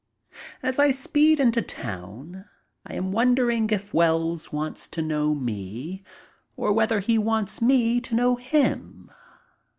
As I speed into town I am wondering if Wells wants to know me or whether he wants me to know him.